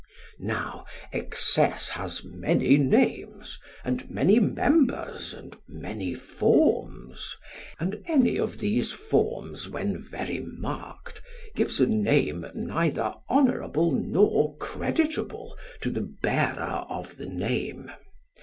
Now excess has many names, and many members, and many forms, and any of these forms when very marked gives a name, neither honourable nor creditable, to the bearer of the name.